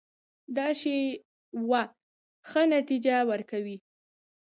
دا شیوه ښه نتیجه ورکوي.